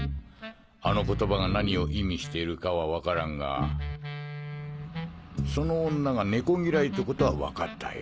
あの言葉が何を意味しているかは分からんがその女が猫嫌いってことは分かったよ！